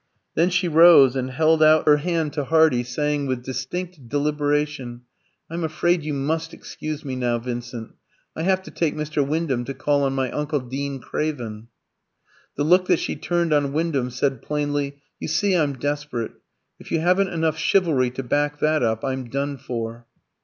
Then she rose and held out her hand to Hardy, saying with distinct deliberation "I'm afraid you must excuse me now, Vincent; I have to take Mr. Wyndham to call on my uncle Dean Craven." The look that she turned on Wyndham said plainly, "You see I'm desperate. If you haven't enough chivalry to back that up, I'm done for."